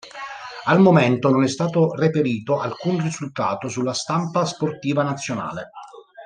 Al momento non è stato reperito alcun risultato sulla stampa sportiva nazionale.